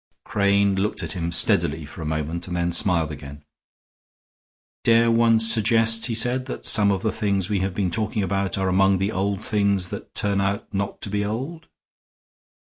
Crane looked at him steadily for a moment and then smiled again. "Dare one suggest," he said, "that some of the things we have been talking about are among the old things that turn out not to be old?"